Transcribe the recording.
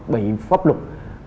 bị pháp luật